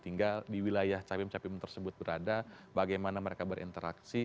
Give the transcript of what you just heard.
tinggal di wilayah capim capim tersebut berada bagaimana mereka berinteraksi